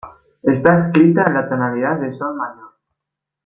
Está escrita en la tonalidad de sol mayor.